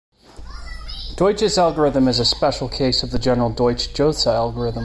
Deutsch's algorithm is a special case of the general Deutsch-Jozsa algorithm.